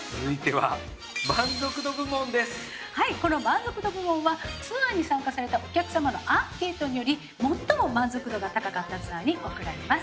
はいこの満足度部門はツアーに参加されたお客様のアンケートにより最も満足度が高かったツアーに贈られます。